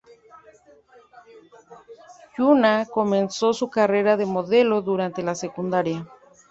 Hyuna comenzó su carrera de modelo durante la secundaria.